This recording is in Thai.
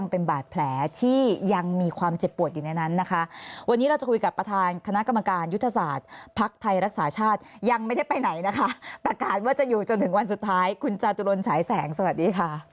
ประกาศว่าจะอยู่จนถึงวันสุดท้ายคุณจาตุรนฉายแสงสวัสดีค่ะ